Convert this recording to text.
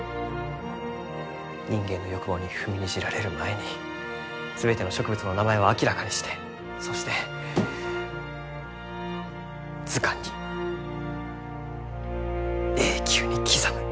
人間の欲望に踏みにじられる前に全ての植物の名前を明らかにしてそして図鑑に永久に刻む。